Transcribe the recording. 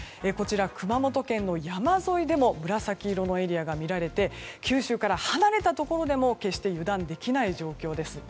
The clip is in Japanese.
熊本県の山沿いでも紫色のエリアがみられて九州から離れたところでも決して油断できない状況です。